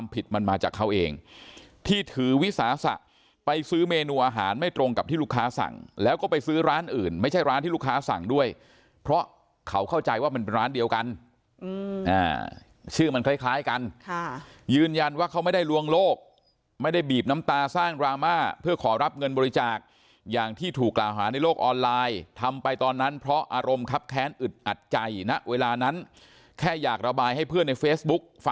ไม่ใช่ร้านที่ลูกค้าสั่งด้วยเพราะเขาเข้าใจว่ามันเป็นร้านเดียวกันอืมอ่าชื่อมันคล้ายคล้ายกันค่ะยืนยันว่าเขาไม่ได้ลวงโลกไม่ได้บีบน้ำตาสร้างรามาเพื่อขอรับเงินบริจาคอย่างที่ถูกหาในโลกออนไลน์ทำไปตอนนั้นเพราะอารมณ์คับแค้นอึดอัดใจนะเวลานั้นแค่อยากระบายให้เพื่อนในเฟซบุ๊กฟ